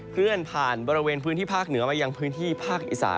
เคลื่อนผ่านบริเวณพื้นที่ภาคเหนือมายังพื้นที่ภาคอีสาน